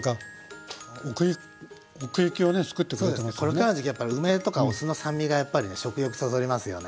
これからの時期やっぱり梅とかお酢の酸味が食欲そそりますよね。